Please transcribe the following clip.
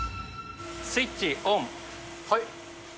スイッチオン。